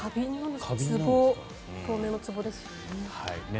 透明なつぼですよね。